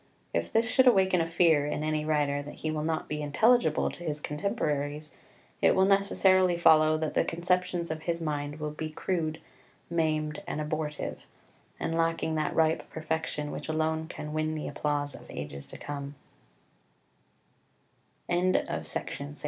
If this should awaken a fear in any writer that he will not be intelligible to his contemporaries it will necessarily follow that the conceptions of his mind will be crude, maimed, and abortive, and lacking that ripe perfection which alone can win the applause of